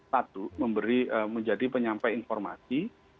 satu menjadi penyampaian informasi